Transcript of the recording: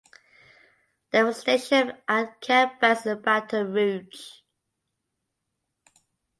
They were stationed at Camp Banks in Baton Rouge.